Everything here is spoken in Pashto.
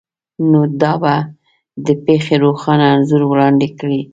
نو دا به د پیښې روښانه انځور وړاندې کړي